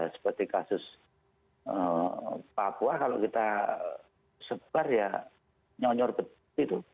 seperti kasus papua kalau kita sebar ya nyonyor begitu